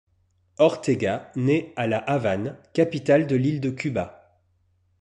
Ortega naît à La Havane, capitale de l'île de Cuba.